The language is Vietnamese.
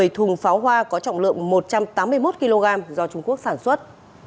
một mươi thùng pháo hoa có trọng lượng một trăm tám mươi một kg do trung quốc sản xuất